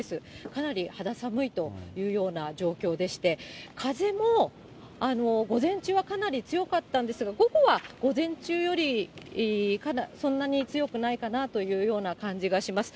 かなり肌寒いというような状況でして、風も午前中はかなり強かったんですが、午後は、午前中より、そんなに強くないかなというような感じがします。